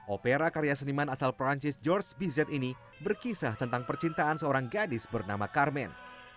opera karya seniman asal perancis george bizette ini berkisah tentang percintaan seorang gadis bernama karmen